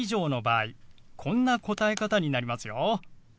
こんな答え方になりますよ。